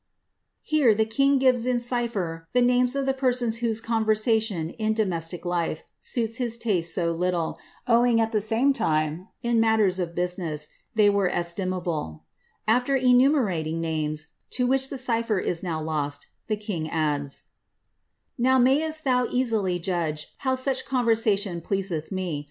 (Here the iwf giaa m cypher the namet of the ptnotu whoee convertatum, in domettie life^ tuitt Ui tMMte m liftle, owning at th£ tame time that^ m mattert of butinettf they were etli mhk. After enumerating namett to which the cypher i$ now lotty the king adds) — Now mayest thou easily judge how such conversation pleaseth me.